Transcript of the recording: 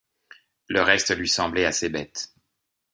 Le reste lui semblait assez bête.